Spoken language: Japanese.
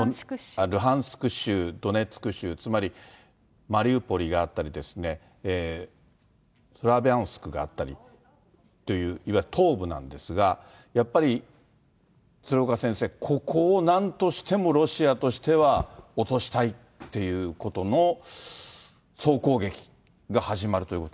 ルハンシク州、つまりマリウポリがあったりとかですね、スラビャンスクがあったりという、いわゆる東部なんですが、やっぱり鶴岡先生、ここをなんとしてもロシアとしては落としたいということの総攻撃